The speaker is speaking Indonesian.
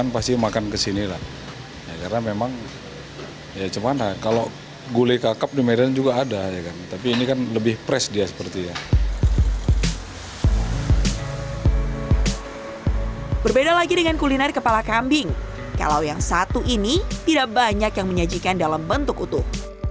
berbeda lagi dengan kuliner kepala kambing kalau yang satu ini tidak banyak yang menyajikan dalam bentuk utuh